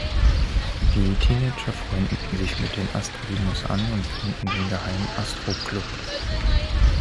Die Teenager freunden sich mit den Astro-Dinos an und gründen den geheimen Astro-Club.